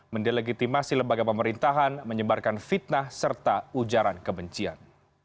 mendelegitimasi lembaga pemerintahan menyebarkan fitnah serta ujaran kebencian